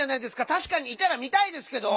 たしかにいたら見たいですけど！